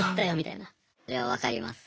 いや分かります。